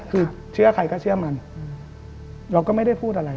คือเชื่อใครก็เชื่อมันเราก็ไม่ได้พูดอะไร